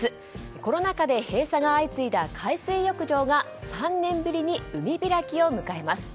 コロナ禍で閉鎖が相次いだ海水浴場が３年ぶりに海開きを迎えます。